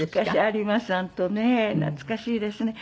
有馬さんとね懐かしいですね。